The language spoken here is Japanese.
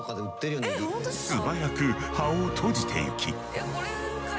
素早く葉を閉じてゆき。